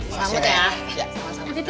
terima kasih banget ya lo